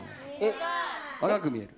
若く見える？